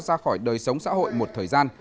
ra khỏi đời sống xã hội một thời gian